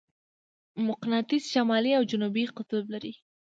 مقناطیس شمالي او جنوبي قطب لري.